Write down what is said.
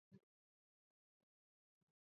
ციხეს მნიშვნელობა დიდხანს არ დაუკარგავს.